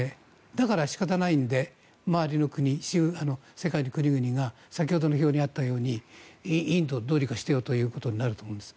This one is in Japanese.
だから仕方ないので周りの国、世界の国々が先ほどの表にあったようにインドをどうにかしてよとなると思うんです。